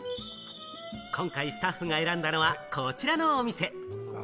今回スタッフが選んだのは、こちらのお店。